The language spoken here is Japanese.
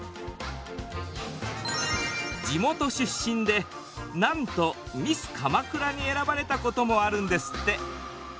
地元出身でなんとミス鎌倉に選ばれたこともあるんですって。